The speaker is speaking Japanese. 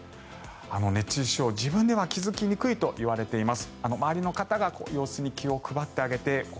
熱中症、自分では気付きにくいといわれています。